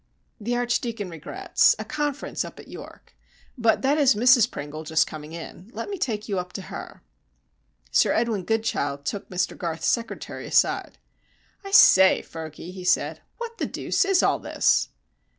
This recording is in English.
"The Archdeacon regrets a conference at York. But that is Mrs Pringle just coming in. Let me take you up to her." Sir Edwin Goodchild took Mr Garth's secretary aside. "I say, Fergy," he said, "what the deuce is all this?"